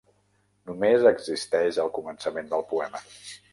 Només existeix el començament del poema.